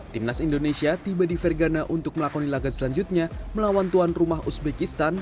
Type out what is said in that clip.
timnas indonesia tiba di vergana untuk melakoni laga selanjutnya melawan tuan rumah uzbekistan